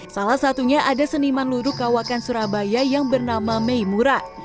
salah satunya ada seniman luruk kawakan surabaya yang bernama meimura